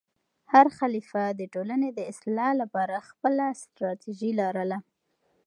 هر خلیفه د ټولنې د اصلاح لپاره خپله ستراتیژي لرله.